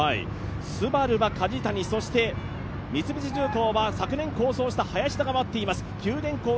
ＳＵＢＡＲＵは梶谷、三菱重工は昨年好走した林田が待っています。